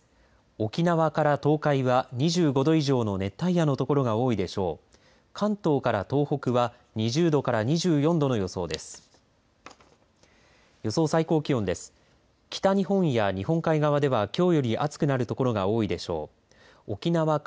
沖縄から東海は２５度以上の熱帯夜のところが多いでしょう。